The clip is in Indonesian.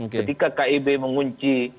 ketika kib mengunci